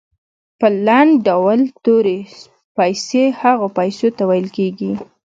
په لنډ ډول تورې پیسې هغو پیسو ته ویل کیږي.